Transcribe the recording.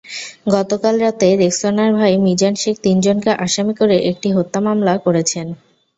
গতকাল রাতে রেক্সোনার ভাই মিজান শেখ তিনজনকে আসামি করে একটি হত্যা মামলা করেছেন।